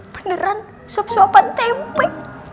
beneran suap suapan tempe